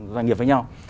doanh nghiệp với nhau